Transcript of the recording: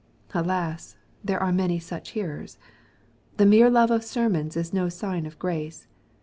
Alas I there are many such hearers 1 The mere love of sermons is no sign of grace.